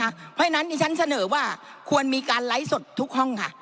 เพราะฉะนั้นดิฉันเสนอว่าควรมีการไลฟ์สดทุกห้องค่ะ